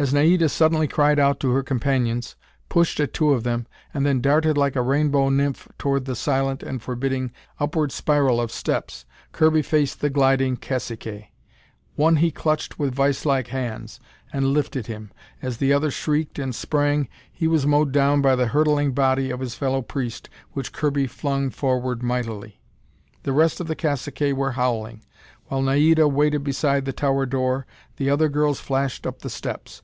As Naida suddenly cried out to her companions, pushed at two of them, and then darted like a rainbow nymph toward the silent and forbidding upward spiral of steps, Kirby faced the gliding caciques. One he clutched with viselike hands, and lifted him. As the other shrieked and sprang, he was mowed down by the hurtling body of his fellow priest which Kirby flung forward mightily. The rest of the caciques were howling. While Naida waited beside the tower door, the other girls flashed up the steps.